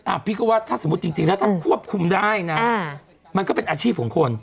พี่ก็ว่าถ้าสมมุติจริงแล้วถ้าควบคุมได้นะมันก็เป็นอาชีพของคน